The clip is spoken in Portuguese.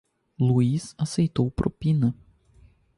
Luís aceitou propina.